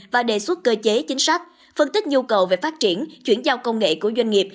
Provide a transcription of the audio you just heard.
và đề xuất cơ chế chính sách phân tích nhu cầu về phát triển chuyển giao công nghệ của doanh nghiệp